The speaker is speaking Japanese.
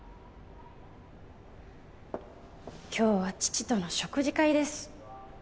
今日は父との食事会です。